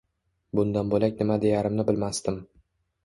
Bundan bo‘lak nima deyarimni bilmasdim